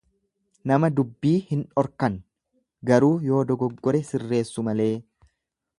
Nama dubbii hin dhorkan garuu yoo dogoggore sirreessu malee.